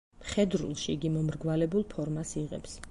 მხედრულში იგი მომრგვალებულ ფორმას იღებს.